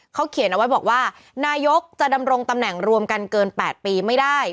เขาเขียนเอาไว้บอกว่านายกจะดำรงตำแหน่งรวมกันเกิน๘ปีไม่ได้